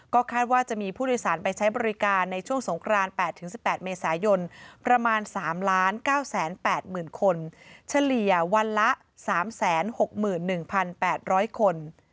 คาดว่าจะมีผู้โดยสารไปใช้บริการในช่วงสงคราน๘๑๘เมษายนประมาณ๓๙๘๐๐๐คนเฉลี่ยวันละ๓๖๑๘๐๐คน